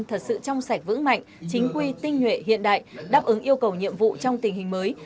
thật sự trong sạch vững mạnh chính quy tinh nhuệ hiện đại đáp ứng yêu cầu nhiệm vụ trong tình hình mới